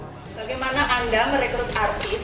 bagaimana anda merekrut artis